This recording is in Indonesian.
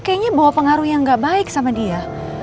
kayaknya bawa pengaruh yang gak baik sama dia